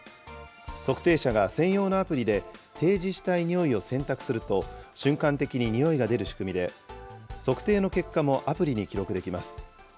測定者が専用のアプリで、提示したい匂いを選択すると、瞬間的に匂いが出る仕組みで、測定の結果もアプリに記録できます。